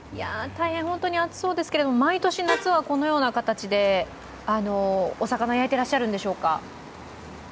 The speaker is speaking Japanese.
本当に暑そうですけれども、毎年このような形でお魚を焼いていらっしゃるんでしょうか。